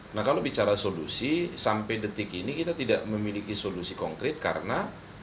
nah kalau bicara solusi sampai detik ini kita tidak memiliki solusi konkret karena